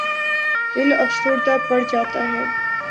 دل افسردہ پڑ جاتا ہے۔